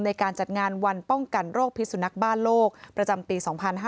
ในการจัดงานวันป้องกันโรคพิษสุนัขบ้านโลกประจำปี๒๕๕๙